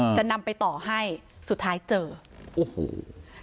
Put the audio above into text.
จะนำไปต่อให้สุดท้ายเจอโอ้โห